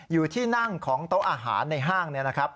อยู่ที่นั่งของโต๊ะอาหารในห้างเนี่ยนะครับ